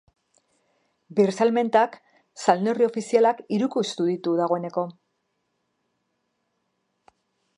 Birsalmentak salneurri ofizialak hirukoiztu ditu dagoeneko.